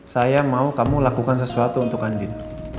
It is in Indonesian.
saya mau kamu lakukan sesuatu untuk andin